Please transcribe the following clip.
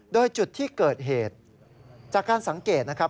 โดยจุดที่เกิดเหตุจากการสังเกตนะครับ